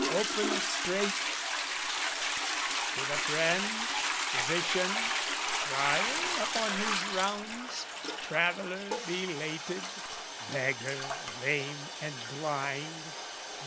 Open straight " To the friend, physician, friar upon his rounds, Traveller belated, beggar lame and blind?